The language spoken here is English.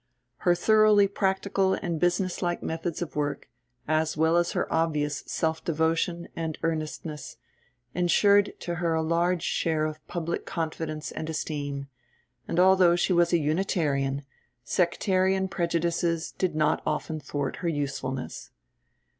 Her thoroughly practical and business like methods of work, as well as her obvious self devotion and earnestness, ensured to her a large share of public confidence and esteem, and although she was a Unitarian, sectarian prejudices did not often thwart her usefulness.